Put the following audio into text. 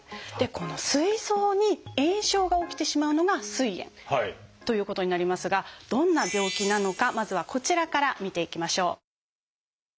このすい臓に炎症が起きてしまうのがすい炎ということになりますがどんな病気なのかまずはこちらから見ていきましょう。